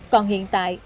còn hiện tại